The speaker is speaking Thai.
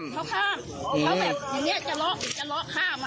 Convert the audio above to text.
เขาแบบอย่างเนี่ยจะล็อกหรือจะล็อกข้ามอะ